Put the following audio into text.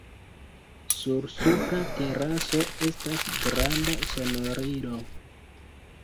Sur supra teraso estas granda sonorilo.